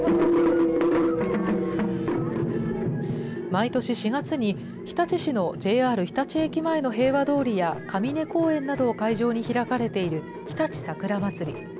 毎年４月に、日立市のＪＲ日立駅前の平和通りやかみね公園などを会場に開かれている、日立さくらまつり。